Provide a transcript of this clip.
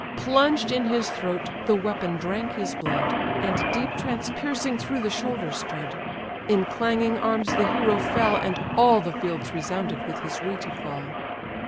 Plunged in his throat, the weapon drank his blood, And deep transpiercing through the shoulder stood; In clanging arms the hero fell and all The fields resounded with his weighty fall.